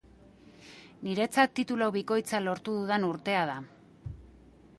Niretzat titulu bikoitza lortu dudan urtea da.